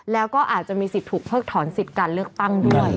แล้วก็อาจจะมีสิทธิ์ถูกเพิกถอนสิทธิ์การเลือกตั้งด้วย